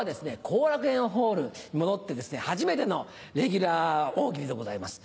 後楽園ホールに戻って初めてのレギュラー大喜利でございます。